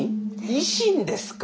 維新ですか。